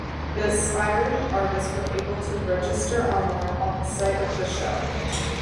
The aspiring artists were able to register online on the site of the show.